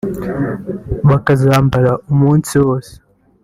bakazambara umunsi wose